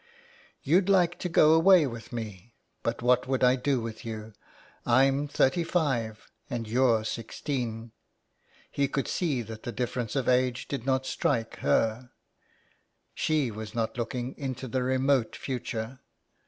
" You'd like to go away with me, but what should I do with you. Pm thirty five and you're sixteen." He could see that the difference of age did not strike her — she was not looking into the remote future.